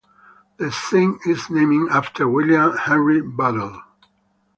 The sign is named after William Henry Battle.